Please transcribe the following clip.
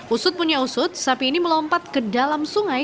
usut punya usut sapi ini melompat ke dalam sungai